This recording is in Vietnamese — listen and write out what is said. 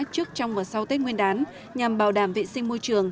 trước trong và sau tết nguyên đán nhằm bảo đảm vệ sinh môi trường